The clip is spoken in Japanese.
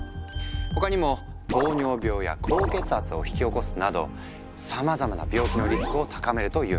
他にも糖尿病や高血圧を引き起こすなどさまざまな病気のリスクを高めるというんだ。